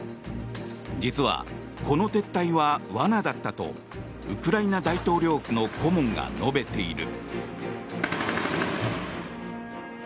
実はこの撤退は罠だったとウクライナ大統領府の顧問が述べている。